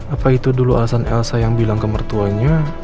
apa itu dulu alasan elsa yang bilang ke mertuanya